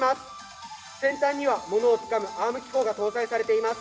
先端にはものをつかむアーム機構が搭載されています。